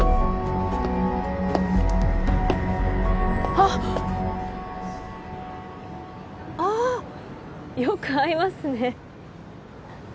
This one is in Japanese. あっああよく会いますね